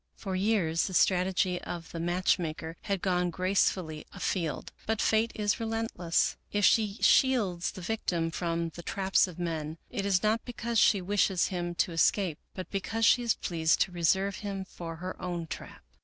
For years the strategy of the match maker had gone grace fully afield, but Fate is relentless. If she shields the victim from the traps of men, it is not because she wishes him to escape, but because she is pleased to reserve him for her 69 American Mystery Stories own trap.